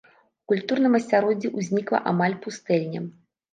У культурным асяроддзі ўзнікла амаль пустэльня.